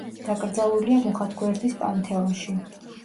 დაკრძალულია მუხათგვერდის პანთეონში.